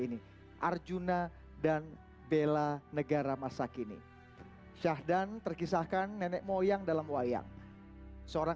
ini arjuna dan bella negara masa kini syahdan terkisahkan nenek moyang dalam wayang seorang